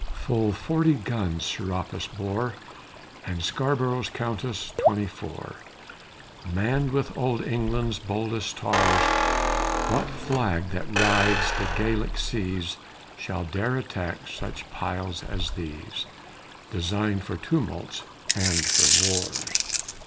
Full forty guns Serapis bore, And Scarb'ro's Countess twenty four, Mann'd with Old England's boldest tars What flag that rides the Gallic seas Shall dare attack such piles as these, Design'd for tumults and for wars!